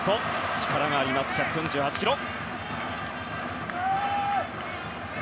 力があります、１４８キロ。